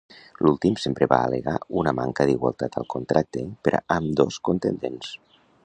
L'últim sempre va al·legar una manca d'igualtat al contracte per a ambdós contendents.